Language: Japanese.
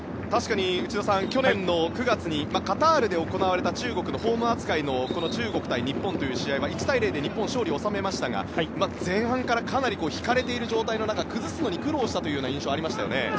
確かに、内田さん去年の９月にカタールで行われた中国のホーム扱いの中国対日本という試合は１対０で日本が勝利を収めましたが前半からかなり引かれている状態の中崩すのに苦労した印象がありましたよね。